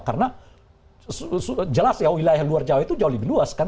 karena jelas ya wilayah luar jawa itu jauh lebih luas kan